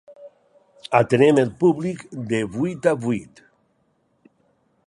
Atenem el públic de vuit a vuit.